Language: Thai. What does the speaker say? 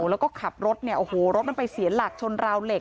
แล้วก็ขับรถเนี่ยโอ้โหรถมันไปเสียหลักชนราวเหล็